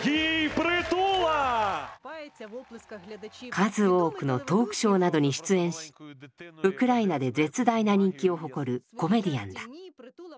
数多くのトークショーなどに出演しウクライナで絶大な人気を誇るコメディアンだ。